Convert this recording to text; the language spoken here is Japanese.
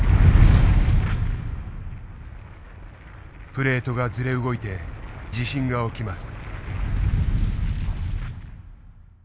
プレートがずれ動いて地震が起きます。